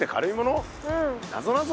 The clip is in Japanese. なぞなぞ？